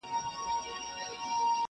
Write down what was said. د بلبلکو له سېلونو به وي ساه ختلې٫